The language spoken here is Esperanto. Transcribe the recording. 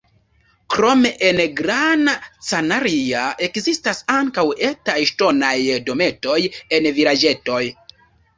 Krome en Gran Canaria ekzistis ankaŭ etaj ŝtonaj dometoj en vilaĝetoj.